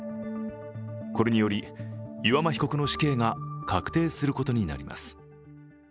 これにより岩間被告の死刑が確定することになります。